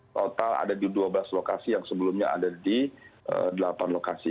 total ada di dua belas lokasi yang sebelumnya ada di delapan lokasi